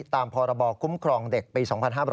ตามพรบคุ้มครองเด็กปี๒๕๕๘